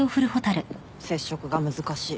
接触が難しい。